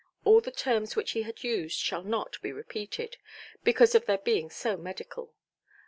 All the terms which he used shall not be repeated, because of their being so medical.